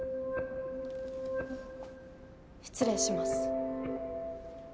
失礼します。